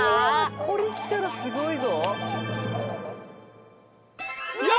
これきたらすごいぞ。わ！